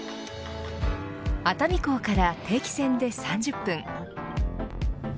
熱海港から定期船で３０分。